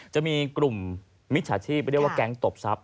จะมีกลุ่มมิจฉาชีพเรียกว่าแก๊งตบทรัพย